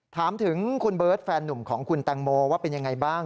ถามถึงคุณเบิร์ตแฟนหนุ่มของคุณแตงโมว่าเป็นยังไงบ้าง